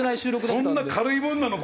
そんな軽いもんなの？